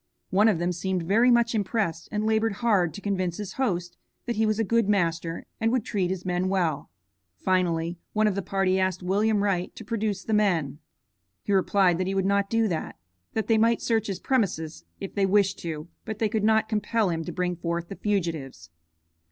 One of them seemed very much impressed, and labored hard to convince his host that he was a good master and would treat his men well. Finally one of the party asked William Wright to produce the men. He replied that he would not do that, that they might search his premises if they wished to, but they could not compel him to bring forth the fugitives.